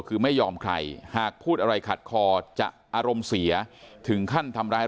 คือไม่ยอมใครหากพูดอะไรขัดคอจะอารมณ์เสียถึงขั้นทำร้าย